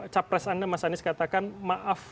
capres anda mas anies katakan maaf